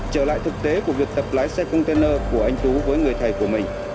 trở lại thực tế của việc tập lái xe container của anh tú với người thầy của mình